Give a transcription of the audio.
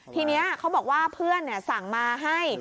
ทีนี้เขาบอกว่าเพื่อนสั่งมาให้